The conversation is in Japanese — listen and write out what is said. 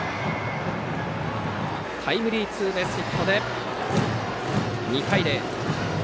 タイムリーツーベースヒットで２対０。